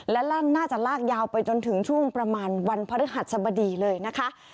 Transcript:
และน่าจะลากยาวไปจนถึงช่วงประมาณวันพฤหัสสบดีเลยนะคะ